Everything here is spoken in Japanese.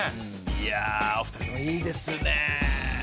いやお二人ともいいですね。